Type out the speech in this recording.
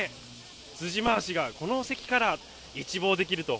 辻回しがこの席から一望できると。